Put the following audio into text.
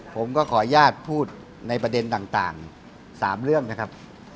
ผมก็ขออนุญาตพูดในประเด็นต่าง๓เรื่องนะครับ